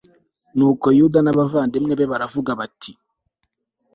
nuko yuda n'abavandimwe be baravuga bati